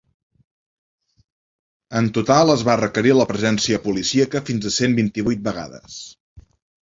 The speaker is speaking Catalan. En total es va requerir la presència policíaca fins a cent vint-i-vuit vegades.